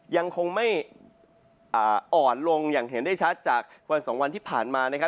ยังคงไม่อ่อนลงอย่างเห็นได้ชัดจากวันสองวันที่ผ่านมานะครับ